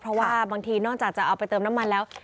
เพราะว่าบางทีนอกจากจะเอาไปเติมน้ำมันแล้ว